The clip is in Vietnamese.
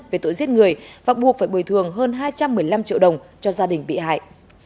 về tội giết người và buộc phải bồi thường hơn hai trăm một mươi năm triệu đồng cho gia đình bị hại